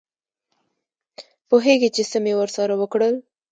پوهېږې چې څه مې ورسره وکړل.